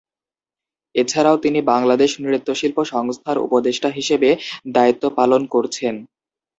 এছাড়াও তিনি বাংলাদেশ নৃত্যশিল্পী সংস্থার উপদেষ্টা হিসেবে দায়িত্ব পালন করছেন।